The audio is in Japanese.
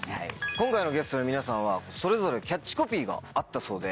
今回のゲストの皆さんはそれぞれキャッチコピーがあったそうで。